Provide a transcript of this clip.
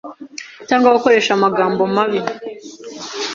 cyangwa gukoresha amagambo mabi